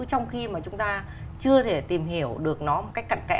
trong khi mà chúng ta chưa thể tìm hiểu được nó một cách cận kẽ